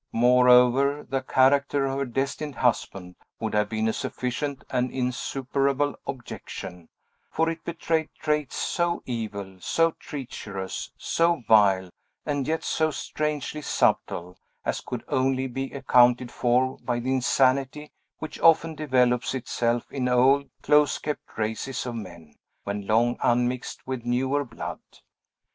Moreover, the character of her destined husband would have been a sufficient and insuperable objection; for it betrayed traits so evil, so treacherous, so vile, and yet so strangely subtle, as could only be accounted for by the insanity which often develops itself in old, close kept races of men, when long unmixed with newer blood.